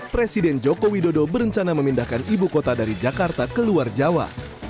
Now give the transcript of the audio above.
presiden joko widodo berencana memindahkan ibu kota dari jakarta ke luar jawa